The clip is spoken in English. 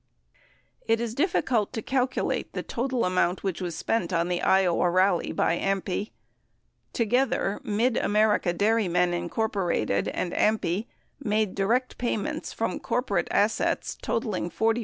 It is difficult to calculate the total amount which was spent on the Iowa rally by AMPI. Together, Mid America Dairymen, Inc. and AMPI made direct payments from corporate assets totaling $44,132.